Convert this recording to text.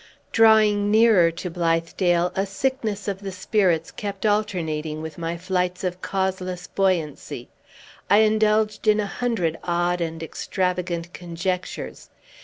Drawing nearer to Blithedale, a sickness of the spirits kept alternating with my flights of causeless buoyancy. I indulged in a hundred odd and extravagant conjectures.